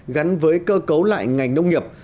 gắn với cơ cấu lại ngành nông nghiệp